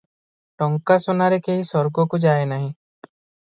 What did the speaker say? ଟଙ୍କାସୁନାରେ କେହି ସ୍ୱର୍ଗକୁ ଯାଏ ନାହିଁ ।